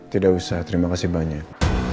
tidak usah terima kasih banyak